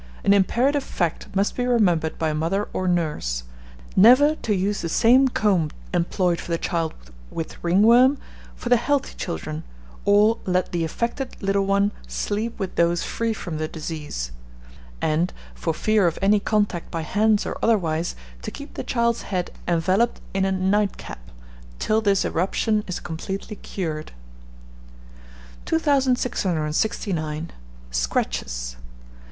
An imperative fact must be remembered by mother or nurse, never to use the same comb employed for the child with ringworm, for the healthy children, or let the affected little one sleep with those free from the disease; and, for fear of any contact by hands or otherwise, to keep the child's head enveloped in a nightcap, till this eruption is completely cured. 2669. SCRATCHES.